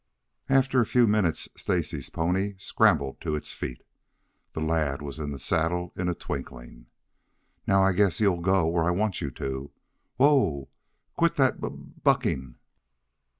After a few minutes Stacy's pony scrambled to its feet. The lad was in the saddle in a twinkling. "Now, I guess you'll go where I want you to. Whoa! Quit that b b b b bucking."